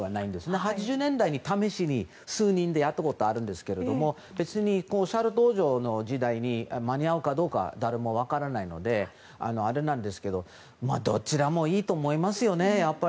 １９８０年代に試しに数人でやったことあるんですけど別にシャーロット王女の時代に間に合うかどうか誰も分からないですがどちらもいいと思いますよね。